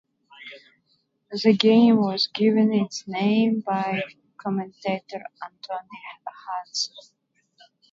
The game was given its name by commentator Anthony Hudson.